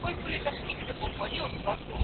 بزګر په خپل زړه کې د آس د وفا او همت منندوی و.